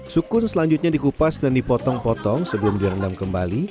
sukus selanjutnya dikupas dan dipotong potong sebelum direndam kembali